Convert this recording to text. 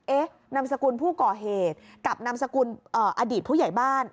เอ๊ะนำสกุลผู้ก่อเหตุกับนำสกุลเอ่ออดีตผู้ใหญ่บ้าน